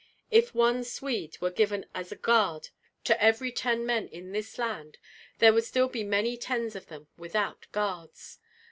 If one Swede were given as a guard to every ten men in this land, there would still be many tens of them without guards.